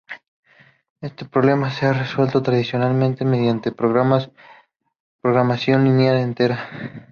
Este problema se ha resuelto tradicionalmente mediante programación lineal entera.